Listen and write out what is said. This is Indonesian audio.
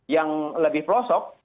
yang lebih pelosok